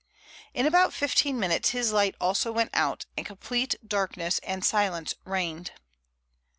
In about fifteen minutes his light also went out and complete darkness and silence reigned.